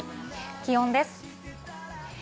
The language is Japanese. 気温です。